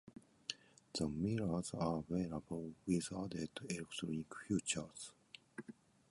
The mirrors are available with added electronic features.